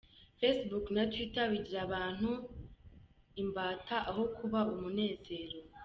Fasiboke na Twita bigira abantu imbata aho kubaha umunezero